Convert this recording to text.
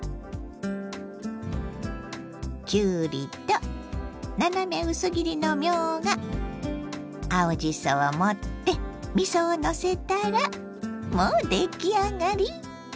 きゅうりと斜め薄切りのみょうが青じそを盛ってみそをのせたらもう出来上がり！